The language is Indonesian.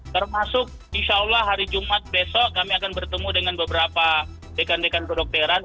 termasuk insya allah hari jumat besok kami akan bertemu dengan beberapa dekan dekan kedokteran